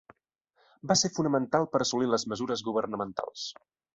Va ser fonamental per assolir les mesures governamentals.